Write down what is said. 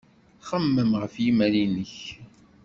Xemmem ɣef yimal-nnek.